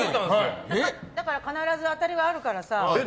だから必ず当たりがあるからさ。